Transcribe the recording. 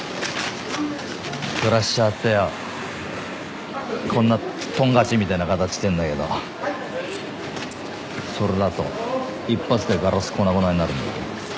クラッシャーってよこんなとんかちみたいな形してんだけどそれだと一発でガラス粉々になるんだ。